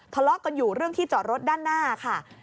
ทะเลาะกันอยู่เรื่องที่จอดรถด้านหน้าค่ะ